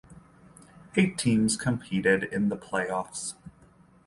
Eight teams competed in the Playoffs.